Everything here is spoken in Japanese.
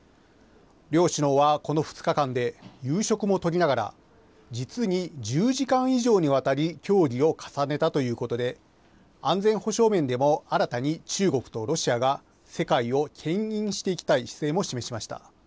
両首脳はこの２日間で、夕食もとりながら、実に１０時間以上にわたり協議を重ねたということで、安全保障面でも新たに中国とロシアが世界をけん引していきたい姿勢も示しました。